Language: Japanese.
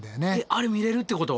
あれ見れるってこと？